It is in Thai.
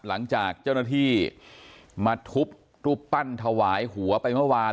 หลังจากเจ้าหน้าที่มาทุบรูปปั้นถวายหัวไปเมื่อวาน